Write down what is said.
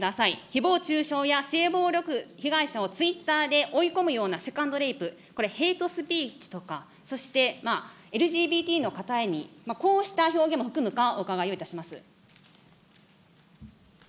ひぼう中傷や性暴力被害者をツイッターで追い込むようなセカンドレイプ、これ、ヘイトスピーチとか、そしてＬＧＢＴの方にこうした表現も含むか、お伺いをいたします。